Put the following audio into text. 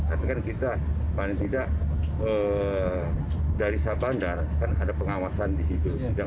artinya kita paling tidak dari syah bandar karena ada pengawasan di situ